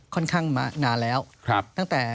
ค่อนข้างมานานแล้วตั้งแต่